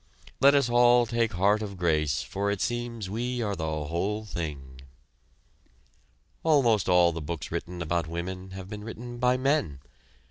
Let us all take heart of grace for it seems we are the whole thing! Almost all the books written about women have been written by men.